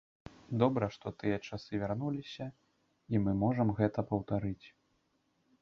Добра, што тыя часы вярнуліся, і мы можам гэта паўтарыць.